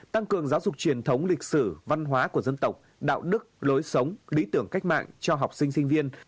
tăng cường giáo dục truyền thống lịch sử văn hóa của dân tộc đạo đức lối sống lý tưởng cách mạng cho học sinh sinh viên